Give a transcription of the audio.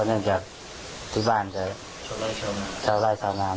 เพราะฉะนั้นแค่ที่บ้านจะเช่าไร้สำหรับ